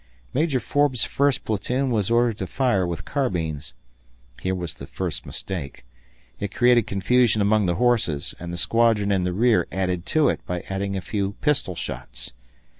Major Forbes' first platoon was ordered to fire with carbines. Here was the first mistake. It created confusion among the horses, and the squadron in the rear added to it by firing a few pistol shots.